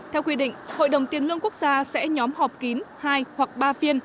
theo quy định hội đồng tiền lương quốc gia sẽ nhóm họp kín hai hoặc ba phiên